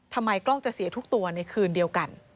ทำไมกล้องจะเสียทุกตัวในคืนเดียวกัน